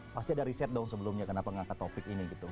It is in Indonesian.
pasti ada riset dong sebelumnya kenapa ngangkat topik ini gitu